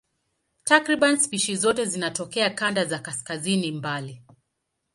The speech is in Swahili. Takriban spishi zote zinatokea kanda za kaskazini mbali.